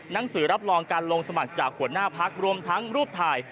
หนังสือรับรองการลงสมัครจากหัวหน้าพักรวมทั้งรูปถ่าย